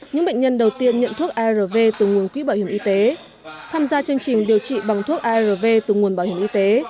những bệnh nhân đầu tiên nhận thuốc arv từ nguồn quỹ bảo hiểm y tế tham gia chương trình điều trị bằng thuốc arv từ nguồn bảo hiểm y tế